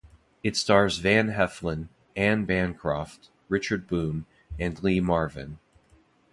It stars Van Heflin, Anne Bancroft, Richard Boone and Lee Marvin.